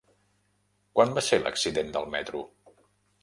Quan va ser l'accident del metro?